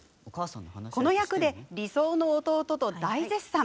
この役で理想の弟と大絶賛。